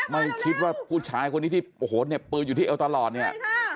ไม่คิดว่าผู้ชายคนนี้ที่โอ้โหเหน็บปืนอยู่ที่เอวตลอดเนี่ย